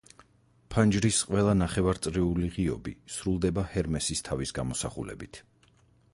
ფანჯრის ყველა ნახევარწრიული ღიობი სრულდება ჰერმესის თავის გამოსახულებით.